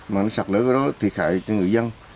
mà nó sạt lở cái đó thiệt hại cho người dân